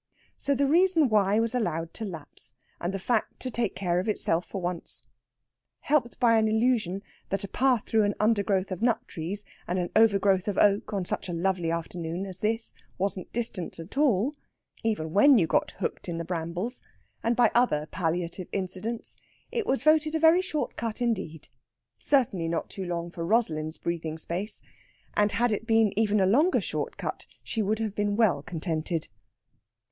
So the reason why was allowed to lapse, and the fact to take care of itself for once. Helped by an illusion that a path through an undergrowth of nut trees and an overgrowth of oak on such a lovely afternoon as this wasn't distance at all even when you got hooked in the brambles and by other palliative incidents, it was voted a very short cut indeed. Certainly not too long for Rosalind's breathing space, and had it been even a longer short cut she would have been well contented.